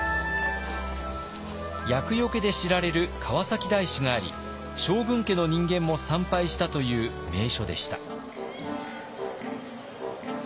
厄よけで知られる川崎大師があり将軍家の人間も参拝したという名所でした。